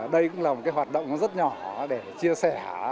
đây cũng là một cái hoạt động rất nhỏ để chia sẻ